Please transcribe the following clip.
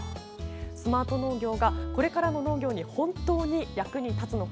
スマート農業がこれからの農業に本当に役に立つのか